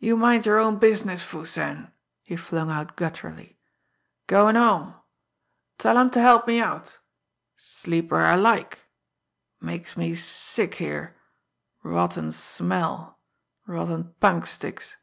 "You mind your own business, Foo Sen!" he flung out gutturally. "Goin' home! Tell 'em to help me out sleep where I like! Makes me sick here rotten smell rotten punk sticks!"